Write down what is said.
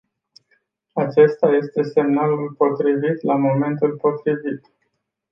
Acesta este semnalul potrivit la momentul potrivit.